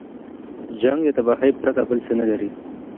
جنګ د تباهۍ پرته بل څه نه لري.